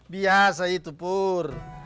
biasa itu pur